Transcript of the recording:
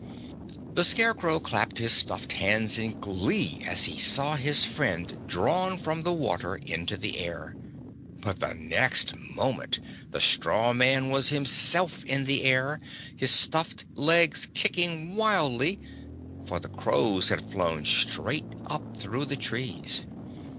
The Scarecrow clapped his stuffed hands in glee as he saw his friend drawn from the water into the air; but the next moment the straw man was himself in the air, his stuffed legs kicking wildly; for the crows had flown straight up through the trees.